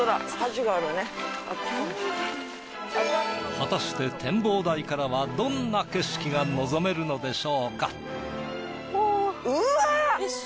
果たして展望台からはどんな景色が望めるのでしょうか。